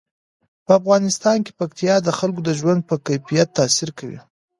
په افغانستان کې پکتیا د خلکو د ژوند په کیفیت تاثیر کوي.